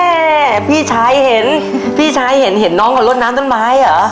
นั่นแน่พี่ชายเห็นพี่ชายเห็นน้องก็ลดน้ำต้นไม้เหรอ